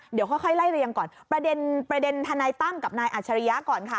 เดี๋ยวค่อยไล่เรียงก่อนประเด็นทนายตั้มกับนายอัจฉริยะก่อนค่ะ